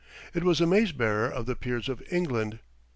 It was the Mace bearer of the Peers of England.